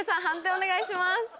判定お願いします。